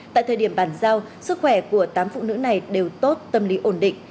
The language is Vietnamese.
tại thời điểm bàn giao sức khỏe của tám phụ nữ này đều tốt tâm lý ổn định